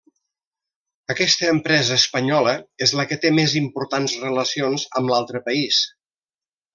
Aquesta empresa espanyola és la que té les més importants relacions amb l'altre país.